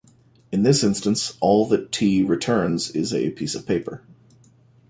In this instance, all that T returns is a piece of paper.